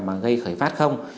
mà gây khởi phát không